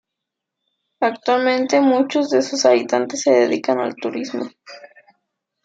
Actualmente muchos de sus habitantes se dedican al turismo.